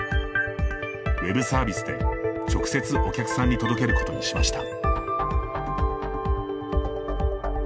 Ｗｅｂサービスで直接お客さんに届けることにしました。